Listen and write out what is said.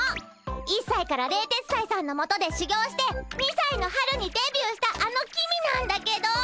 １さいから冷徹斎さんの元でしゅぎょうして２さいの春にデビューしたあの公なんだけど。